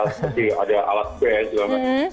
pasti ada alat kue juga mas